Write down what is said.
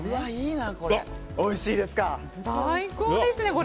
最高ですね、これ。